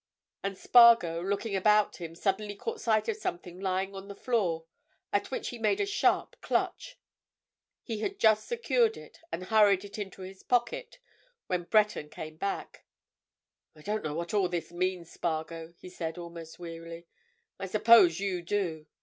And Spargo, looking about him, suddenly caught sight of something lying on the floor at which he made a sharp clutch. He had just secured it and hurried it into his pocket when Breton came back. "I don't know what all this means, Spargo," he said, almost wearily. "I suppose you do.